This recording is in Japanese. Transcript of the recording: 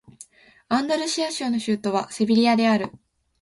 アンダルシア州の州都はセビリアである